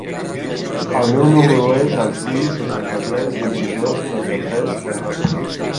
El meu número es el sis, seixanta-tres, vint-i-dos, setanta-tres, setanta-dos.